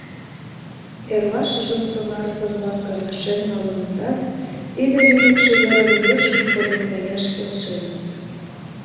Эрлашыжым сонарзе-влак каҥашен налынытат, тиде лӱдыкшӧ верым йӧршын коден каяш келшеныт.